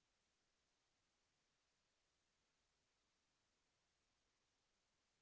ส่วนข้อมีการหรือเปล่า